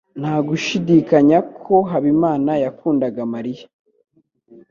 Nta gushidikanya ko Habimana yakundaga Mariya.